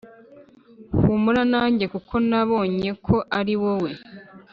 humura nanjye kuko nabonyeko ariwowe